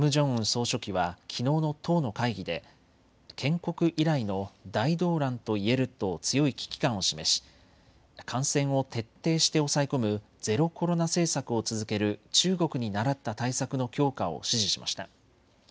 総書記はきのうの党の会議で建国以来の大動乱と言えると強い危機感を示し感染を徹底して抑え込むゼロコロナ政策を続ける中国にならった対策の強化を指示しました。